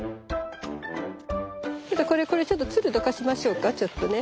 ちょっとこれつるどかしましょうかちょっとね。